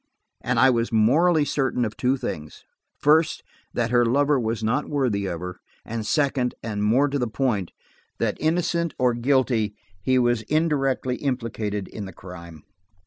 And I was morally certain of two things–first, that her lover was not worthy of her, and second, and more to the point, that innocent or guilty, he was indirectly implicated in the crime.